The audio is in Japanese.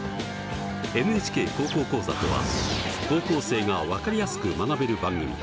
「ＮＨＫ高校講座」とは高校生が分かりやすく学べる番組。